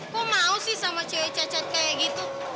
kok mau sih sama cewek cacat kayak gitu